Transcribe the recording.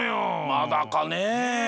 まだかね。